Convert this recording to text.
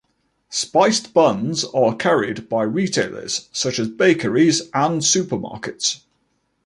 Spiced buns are carried by retailers such as bakeries and supermarkets.